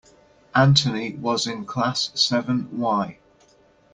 Anthony was in class seven Y.